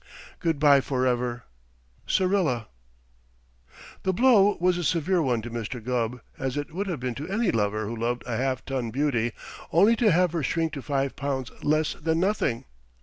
Good bye forever. SYRILLA. The blow was a severe one to Mr. Gubb, as it would have been to any lover who loved a half ton of beauty only to have her shrink to five pounds less than nothing.